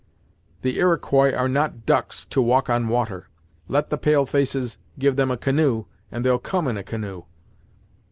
"The Iroquois are not ducks, to walk on water! Let the pale faces give them a canoe, and they'll come in a canoe."